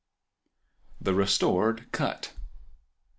The Restored Cut.